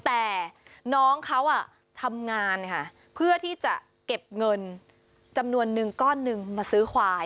แต่น้องเขาทำงานค่ะเพื่อที่จะเก็บเงินจำนวนนึงก้อนหนึ่งมาซื้อควาย